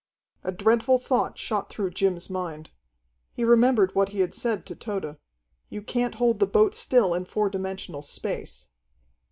A dreadful thought shot through Jim's mind. He remembered what he had said to Tode: "You can't hold the boat still in four dimensional space."